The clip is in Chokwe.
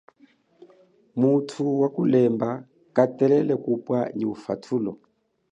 Muthu mukwa kulemba katelele kupwa nyi ufathulo.